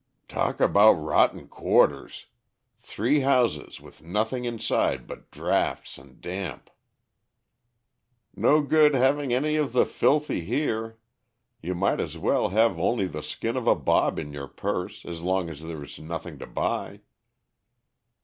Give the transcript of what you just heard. "Talk about rotten quarters! Three houses with nothing inside but draughts and damp." "No good having any of the filthy here, you might as well have only the skin of a bob in your purse, as long as there's nothing to buy."